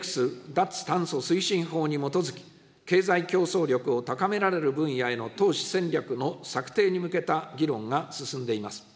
脱炭素推進法に基づき、経済競争力を高められる分野への投資戦略の策定に向けた議論が進んでいます。